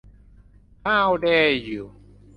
ฮาวแดร์ยู